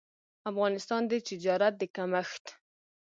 افغانستان د تجارت د کمښت